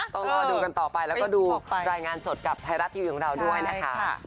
ต้องรอดูกันต่อไปแล้วก็ดูรายงานสดกับไทยรัฐทีวีของเราด้วยนะคะ